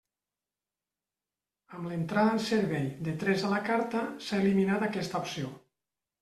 Amb l'entrada en servei de “tres a la carta” s'ha eliminat aquesta opció.